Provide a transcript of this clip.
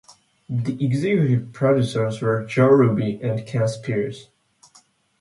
The executive producers were Joe Ruby and Ken Spears.